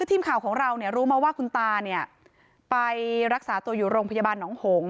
ทีมข่าวของเราเนี่ยรู้มาว่าคุณตาเนี่ยไปรักษาตัวอยู่โรงพยาบาลหนองหง